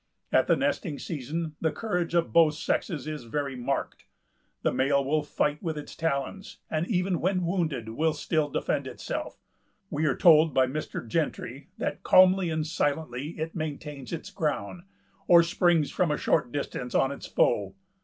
At the nesting season the courage of both sexes is very marked. The male will fight with its talons, and even when wounded will still defend itself. We are told by Mr. Gentry that "calmly and silently it maintains its ground, or springs from a short distance on its foe.